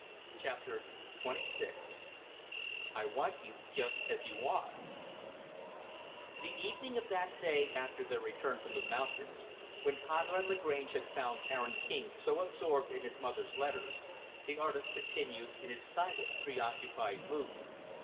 Chapter XXVI I Want You Just as You Are The evening of that day after their return from the mountains, when Conrad Lagrange had found Aaron King so absorbed in his mother's letters, the artist continued in his silent, preoccupied, mood.